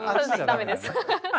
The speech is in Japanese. ダメです。